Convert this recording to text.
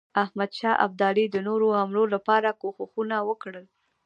احمدشاه ابدالي د نورو حملو لپاره کوښښونه وکړل.